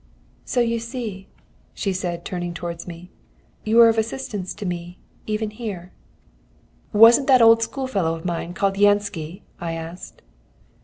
"So you see," she said, turning towards me, "you were of assistance to me, even here." "Wasn't that old schoolfellow of mine called Jansci?" I asked.